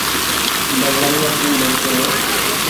বললাম না ফোন বের কর!